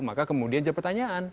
maka kemudian jadi pertanyaan